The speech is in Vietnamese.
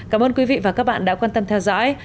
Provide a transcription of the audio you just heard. cảm ơn quý vị và các bạn đã theo dõi